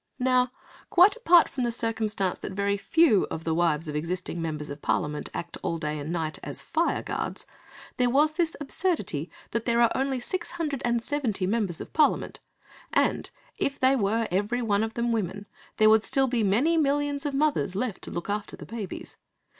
Now, quite apart from the circumstance that very few of the wives of existing Members of Parliament act all day and night as fireguards, there was this absurdity that there are only six hundred and seventy Members of Parliament, and, if they were every one of them women, there would still be many millions of mothers left to look after the babies.